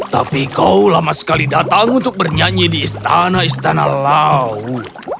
tapi kau lama sekali datang untuk bernyanyi di istana istana laut